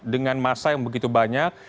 dengan masa yang begitu banyak